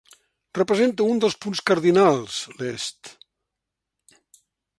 Representa un dels punts cardinals, l'est.